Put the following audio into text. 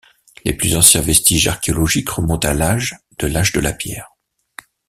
Les plus anciens vestiges archéologiques remontent à l’âge de l’Âge de la pierre.